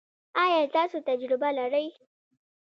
ایا تاسو تجربه لرئ؟